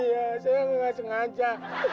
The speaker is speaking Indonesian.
iya saya enggak sengaja